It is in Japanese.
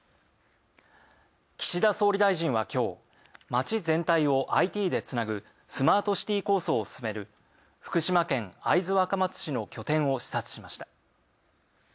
岸田総理大臣は今日、街全体をＩＴでつなぐスマートシティー構想を進める福島県会津若松市の拠点を視察しました。